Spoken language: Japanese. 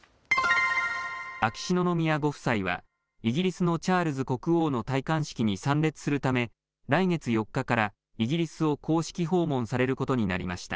秋篠宮ご夫妻はイギリスのチャールズ国王の戴冠式に参列するため来月４日からイギリスを公式訪問されることになりました。